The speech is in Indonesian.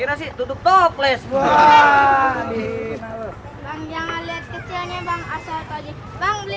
taruh di bakul dibeli beli